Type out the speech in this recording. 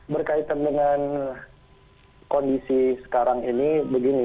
berkaitan dengan kondisi sekarang ini begini